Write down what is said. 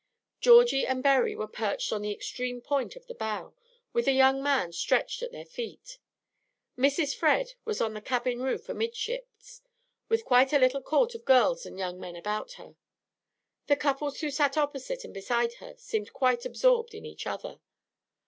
Georgie and Berry were perched on the extreme point of the bow, with a young man stretched at their feet. Mrs. Fred was on the cabin roof amidships, with quite a little court of girls and young men about her. The couples who sat opposite and beside her seemed quite absorbed in each other.